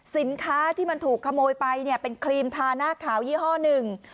สินค้าที่มันถูกขโมยไปเนี่ยเป็นครีมทาหน้าขาวยี่ห้อหนึ่ง